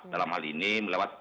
dalam hal ini melewat